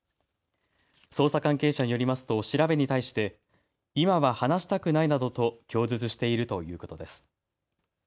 捜査関係者によりますと調べに対して今は話したくないなどと供述しているということです。